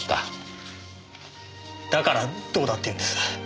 だからどうだって言うんです？